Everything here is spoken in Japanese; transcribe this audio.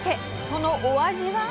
そのお味は？